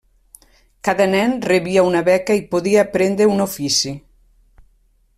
Cada nen rebia una beca i podia aprendre un ofici.